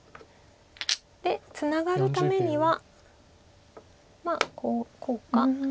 でツナがるためにはまあこうか。